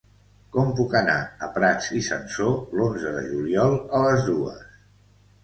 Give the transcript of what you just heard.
Com puc anar a Prats i Sansor l'onze de juliol a les dues?